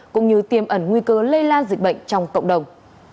cũng như tiêm ẩn nguy cơ lây lan dịch bệnh trong cộng đồng